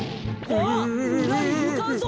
あっむらにむかうぞ。